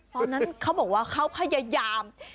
ตอนนั้นเขาบอกว่าเขาพยายาม